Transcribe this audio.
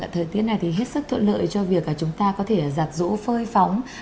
thời tiết này thì hết sức thuận lợi cho việc chúng ta có thể giặt rũ phơi phóng